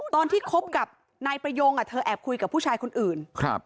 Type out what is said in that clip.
ตอนที่คบกับนายประยงเธอแอบคุยกับผู้ชายคนอื่นครับ